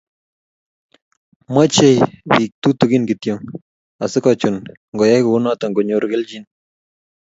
Mochei Bek tutugin kityo asikochun ngoyai kounoto konyoru kelchin